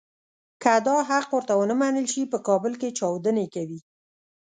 که دا حق ورته ونه منل شي په کابل کې چاودنې کوي.